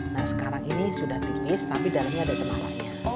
nah sekarang ini sudah tipis tapi dalamnya ada cemaranya